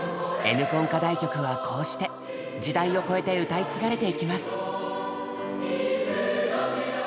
「Ｎコン」課題曲はこうして時代を超えて歌い継がれてゆきます。